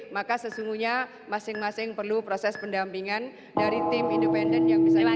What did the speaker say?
maka sesungguhnya masing masing perlu proses pendampingan dari tim independen yang bisa dilakukan